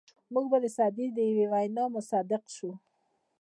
موږ به د سعدي د یوې وینا مصداق شو.